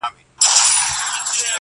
تاوېږه پر حرم ته زه جارېږم له جانانه,